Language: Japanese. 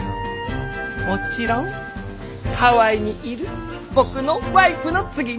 もちろんハワイにいる僕のワイフの次に！